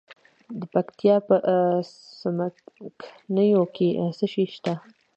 د پکتیا په څمکنیو کې څه شی شته؟